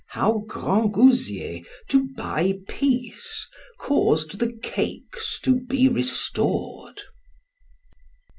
How Grangousier, to buy peace, caused the cakes to be restored.